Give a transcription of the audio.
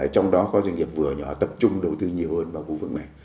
trong đó có doanh nghiệp vừa nhỏ tập trung đầu tư nhiều hơn vào khu vực này